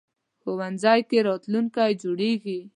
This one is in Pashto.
ښوونځی کې راتلونکی جوړېږي